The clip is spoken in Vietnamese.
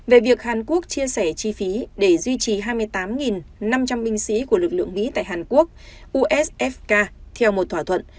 về việc hàn quốc chia sẻ chi phí để duy trì hai mươi tám năm trăm linh binh sĩ của lực lượng mỹ tại hàn quốc usfk theo một thỏa thuận